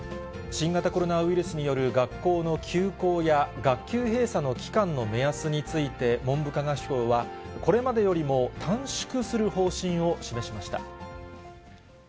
新型コロナウイルスによる学校の休校や学級閉鎖の期間の目安について、文部科学省は、これまでよりも短縮する方針を示しました。